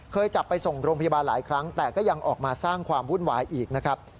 จับไปส่งโรงพยาบาลหลายครั้งแต่ก็ยังออกมาสร้างความวุ่นวายอีกนะครับ